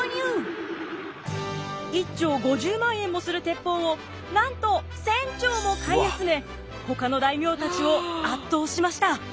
１挺５０万円もする鉄砲をなんと１，０００挺も買い集めほかの大名たちを圧倒しました。